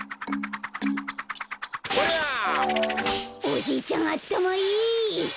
おじいちゃんあったまいい！